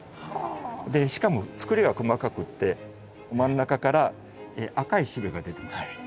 しかもつくりが細かくって真ん中から赤いしべが出てますね。